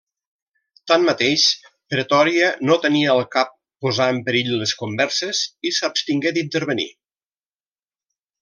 Tanmateix, Pretòria no tenia al cap posar en perill les converses i s'abstingué d'intervenir.